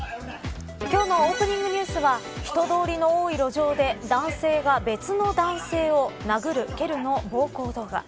今日のオープニングニュースは人通りの多い路上で男性が別の男性を殴る蹴るの暴行動画。